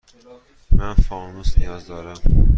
من فانوس نیاز دارم.